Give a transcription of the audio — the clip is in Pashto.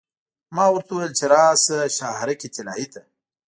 ما ورته وویل چې راشه شهرک طلایې ته.